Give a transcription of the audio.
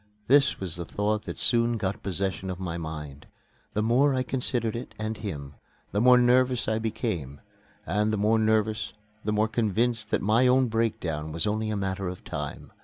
This was the thought that soon got possession of my mind. The more I considered it and him, the more nervous I became; and the more nervous, the more convinced that my own breakdown was only a matter of time.